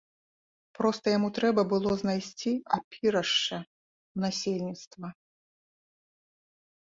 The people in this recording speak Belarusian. Проста яму трэба было знайсці апірышча ў насельніцтва.